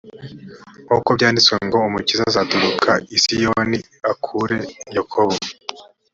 nk uko byanditswe ngo umukiza azaturuka i siyoni i akure yakobo